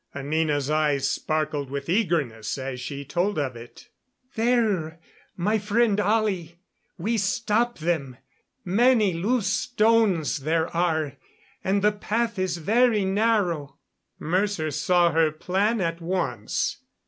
Anina's eyes sparkled with eagerness as she told of it. "There, my friend Ollie, we stop them. Many loose stones there are, and the path is very narrow." Mercer saw her plan at once.